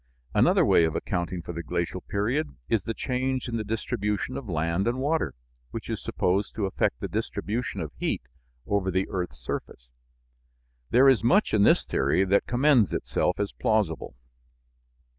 Another way of accounting for the glacial period is the change in the distribution of land and water, which is supposed to affect the distribution of heat over the earth's surface. There is much in this theory that commends itself as plausible.